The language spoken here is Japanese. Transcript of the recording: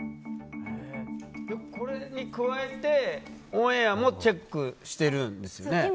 これに加えてオンエアもチェックしているんですよね。